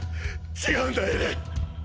違うんだエレン！！